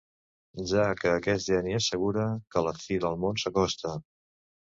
Ja que aquest geni assegura que la fi del món s'acosta.